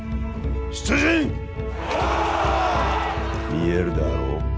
見えるであろう？